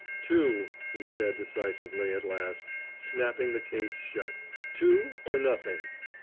"Two," he said decisively at last, snapping the case shut "two or nothing."